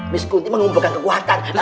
miss kunti mengumpulkan kekuatan